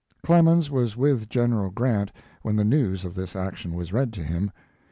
Clemens was with General Grant when the news of this action was read to him.